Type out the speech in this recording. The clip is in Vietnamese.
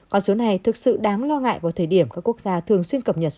con số này thực sự đáng lo ngại vào thời điểm các quốc gia thường xuyên cập nhật